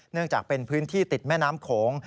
เนื่องจากเป็นพื้นที่ติดแม่น้ำโขง